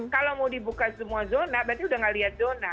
kalau mau dibuka semua zona berarti udah gak lihat zona